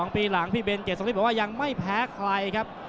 ปีหลังพี่เบนเจสวิทย์บอกว่ายังไม่แพ้ใครครับ